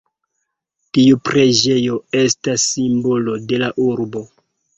Tiu preĝejo estas simbolo de la urbo.